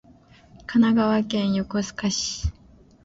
神奈川県横須賀市